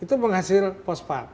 itu penghasil pospat